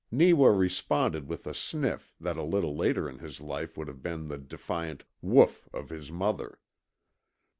Neewa responded with a sniff that a little later in his life would have been the defiant WHOOF of his mother.